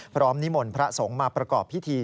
นิมนต์พระสงฆ์มาประกอบพิธี